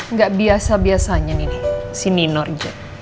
nggak biasa biasanya nih si nino reject